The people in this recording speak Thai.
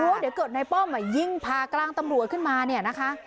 ว่าเดี๋ยวเกิดในป้อมยิงพากลางตำรวจขึ้นมาเนี่ยนะคะ